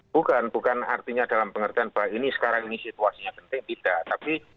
bukan bukan artinya dalam pengertian bahwa ini sekarang ini situasinya penting tidak tapi